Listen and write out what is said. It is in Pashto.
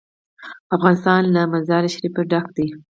افغانستان له مزارشریف ډک دی.